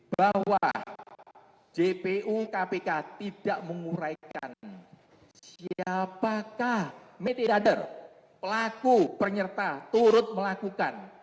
bahwa jpu kpk tidak menguraikan siapakah mediator pelaku penyerta turut melakukan